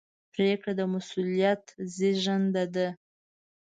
پرېکړه د مسؤلیت زېږنده ده.